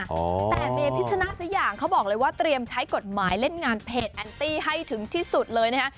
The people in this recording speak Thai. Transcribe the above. แต่เมพิชนาธิอย่างเขาบอกเลยว่าเตรียมใช้กฎหมายเล่นงานเพจแอนตี้ให้ถึงที่สุดเลยนะฮะ